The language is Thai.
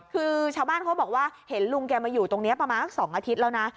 คือชาวบ้านเขาบอกว่าเห็นลุงแกมาอยู่ตรงนี้ประมาณสัก๒อาทิตย์แล้วนะ